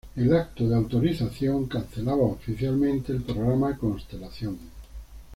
El acto de autorización cancelaba oficialmente el programa Constelación.